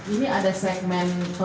ini ada segmen pemilih yang dipindahkan